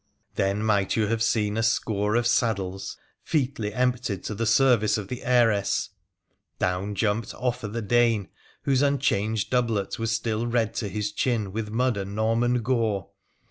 Then might you have seen a score of saddles featly empti( to the service of the heiress ! Down jumped Offa tl Dane, whose unchanged doublet was still red to his ch with mud and Norman gore.